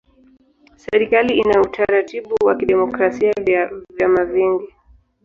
Serikali ina utaratibu wa kidemokrasia ya vyama vingi.